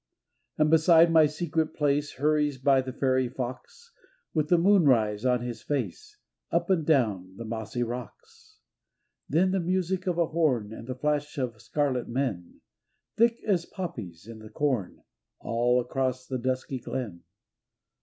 And beside my secret place Hurries by the fairy fox, With the moonrise on his face, Up and down the mossy rocks. 274 A FAIRY HUNT Then the music of a horn And the flash of scarlet men, Thick as poppies in the corn All across the dusky glen.